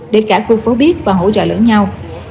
để cả khu phố biết và hỗ trợ lẫn nhau